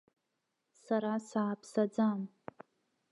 Сара сааԥсаӡам.